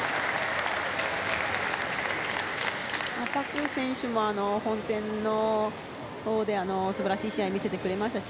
パク選手も本戦のほうで素晴らしい試合を見せてくれましたし